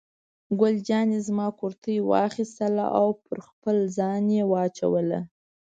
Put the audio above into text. ګل جانې زما کورتۍ واخیستله او پر خپل ځان یې واچوله.